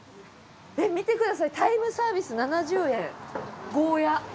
えっ見てくださいタイムサービス７０円ゴーヤ。